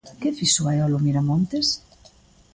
¿Que fixo Baiolo Miramontes?